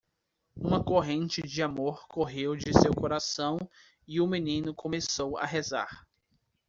Uma corrente de amor correu de seu coração e o menino começou a rezar.